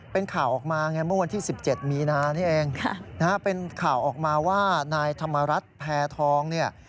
เป็นข่าวออกมามุ่นที่๑๗มีนาเมื่อเองนะครับเป็นข่าวออกมาว่านายธรรมรัสแพ้ทองเนี่ย